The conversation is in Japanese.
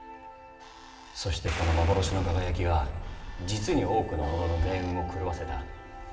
そして、この幻の輝きが実に多くの者の命運を狂わせた。